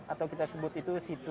atau kita sebut itu situ